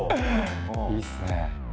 いいっすね。